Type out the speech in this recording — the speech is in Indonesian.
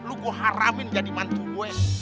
lu gue haramin jadi mantu gue